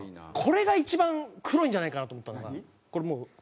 これが一番黒いんじゃないかなと思ったのがこれもう。